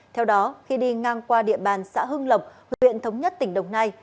theo đó khi đi ngang qua địa bàn xã hưng lộc huyện thống nhất tỉnh đồng nai